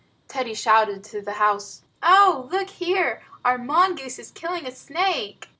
Teddy shouted to the house: "Oh, look here! Our mongoose is killing a snake."